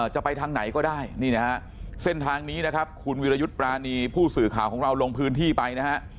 จะไปทางไหนก็ได้นี่นะฮะเส้นทางนี้นะครับคุณวิรยุทธ์ปรานีผู้สื่อข่าวของเราลงพื้นที่ไปนะฮะ